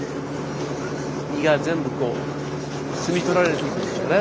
実が全部摘み取られていくんですよね。